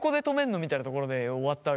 みたいなところで終わったわけですよ。